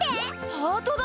ハートだ！